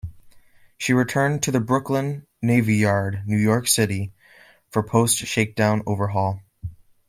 She returned to the Brooklyn Navy Yard, New York City, for post-shakedown overhaul.